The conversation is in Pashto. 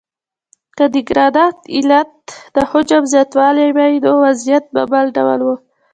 که د ګرانښت علت د حجم زیاتوالی وای نو وضعیت به بل ډول و.